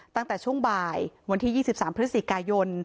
ตั้งแต่ช่วงบ่ายวันที่๒๓พฤศจิกายน